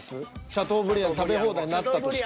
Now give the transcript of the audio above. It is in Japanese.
シャトーブリアン食べ放題になったとして。